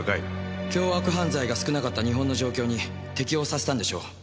凶悪犯罪が少なかった日本の状況に適応させたんでしょう。